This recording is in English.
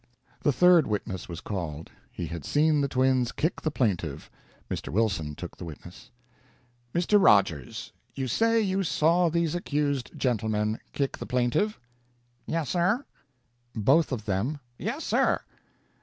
The third witness was called. He had seen the twins kick the plaintiff. Mr. Wilson took the witness. "Mr. Rogers, you say you saw these accused gentlemen kick the plaintiff?" "Yes, sir." "Both of them?" "Yes, sir."